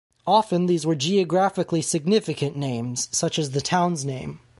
Often these were geographically significant names, such as the town's name.